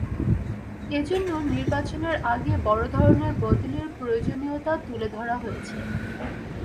এ জন্য নির্বাচনের আগে বড় ধরনের বদলির প্রয়োজনীয়তাও তুলে ধরা হয়েছে।